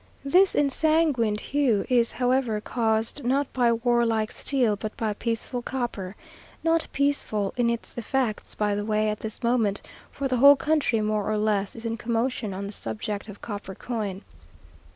This ensanguined hue is, however, caused, not by warlike steel, but by peaceful copper; not peaceful in its effects, by the way, at this moment, for the whole country, more or less, is in commotion on the subject of copper coin.